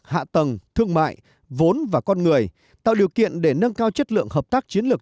hạ tầng thương mại vốn và con người tạo điều kiện để nâng cao chất lượng hợp tác chiến lược